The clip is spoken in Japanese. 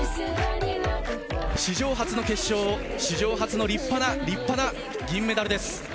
史上初の決勝、史上初の立派な立派な銀メダルです。